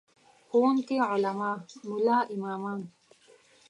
ښوونکي، علما، ملا امامان.